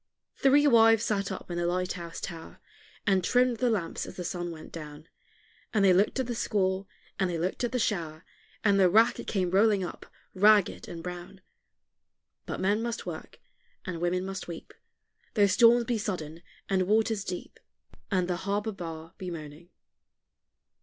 Three wives sat up in the light house tower, And trimmed the lamps as the sun went down; And they looked at the squall, and they looked at the shower, And the rack it came rolling up, ragged and brown; But men must work, and women must weep, Though storms be sudden, and waters deep, And the harbor bar be moaning.